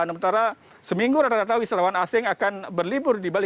sementara seminggu rata rata wisatawan asing akan berlibur di bali